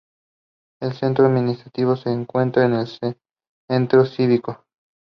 The uniform is also worn by the Jamaica Military Band.